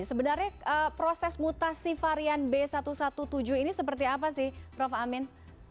sebenarnya proses mutasi varian b satu satu tujuh ini seperti apa sih prof amin